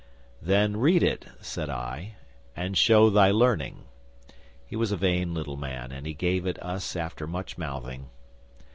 '"Then read it," said I, "and show thy learning." He was a vain little man, and he gave it us after much mouthing.